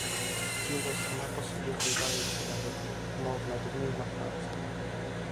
Тіло саме по собі гойдається на воді, мов надувний матрац